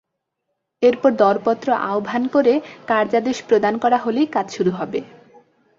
এরপর দরপত্র আহ্বান করে কার্যাদেশ প্রদান করা হলেই কাজ শুরু হবে।